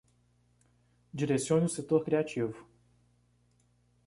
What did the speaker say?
Direcione o setor criativo